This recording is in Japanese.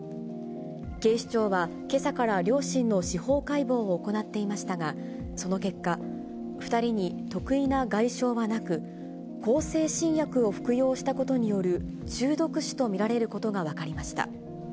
警視庁はけさから両親の司法解剖を行っていましたが、その結果、２人に特異な外傷はなく、向精神薬を服用したことによる中毒死と見られることが分かりました。